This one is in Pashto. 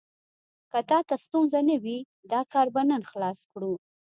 که تا ته ستونزه نه وي، دا کار به نن خلاص کړو.